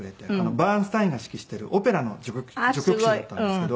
バーンスタインが指揮してるオペラの序曲集だったんですけど。